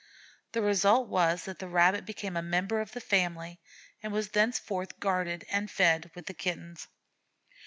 The result was that the Rabbit became a member of the family, and was thenceforth guarded and fed with the Kittens.